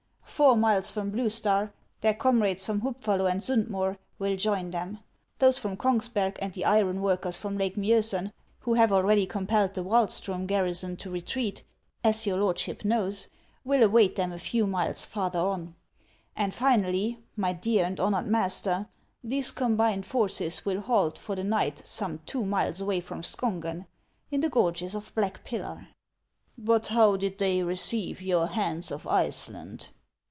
Four miles from Blue Star, their comrades from Hubfallo and Suud Moer will join them ; those from Kougsberg and the iron work ers from Lake Miosen, who have already compelled the Wahlstrom garrison to retreat, as your lordship knows, will await them a few miles farther on ; and finally, my dear and honored master, these combined forces will halt for the night some two miles away from Skongen, in the gorges of Black Pillar." " But how did they receive your Hans of Iceland